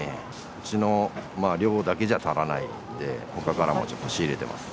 うちの量だけじゃ足らないんで、ほかからもちょっと仕入れてます。